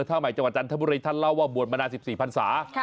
ท่าใหม่จังหวัดจันทร์ธบุริท่านเล่าว่าบวชมาสิบสี่พันศาค่ะ